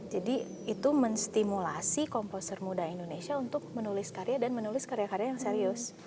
jadi itu menstimulasi komposer muda indonesia untuk menulis karya dan menulis karya karya yang serius